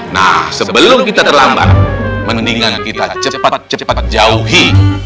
nah sebelum kita terlambat mendingan kita cepat cepat jauhi